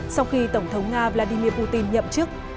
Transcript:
sau khi tổng thống nga vladimir putin nhậm chức